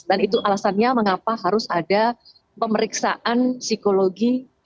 dan itu alasannya mengapa harus ada pemeriksaan psikologi